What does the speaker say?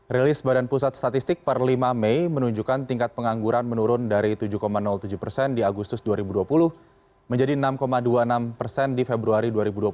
rilis badan pusat statistik per lima mei menunjukkan tingkat pengangguran menurun dari tujuh tujuh persen di agustus dua ribu dua puluh menjadi enam dua puluh enam persen di februari dua ribu dua puluh satu